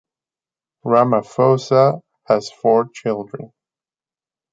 Ramaphosa has four children.